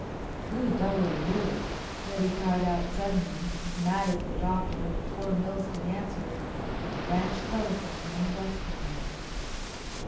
"Who the devil are you?" Reddy cried out suddenly, as mad as the Doctor, and before Mills could answer, the branch telephone on the desk rang.